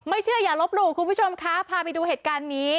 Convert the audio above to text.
เชื่ออย่าลบหลู่คุณผู้ชมคะพาไปดูเหตุการณ์นี้